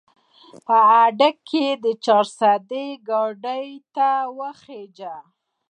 په اډه کښې د چارسدې ګاډي ته وخېژه